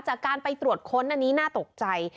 จากการไปตรวจค้นอันนี้น่าตกใจ